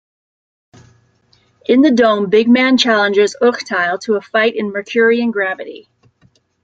In the Dome, Bigman challenges Urteil to a fight in Mercurian gravity.